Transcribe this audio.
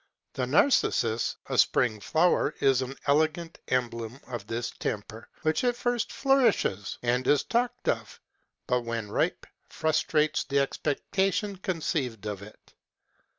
The Narcissus, a spring flower, is an elegant emblem of this temper, which at first flourishes, and is talked of, but, when ripe, frustrates the expectation conceived of it.